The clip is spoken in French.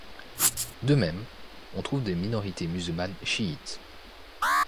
De même, on trouve des minorités musulmanes chiites.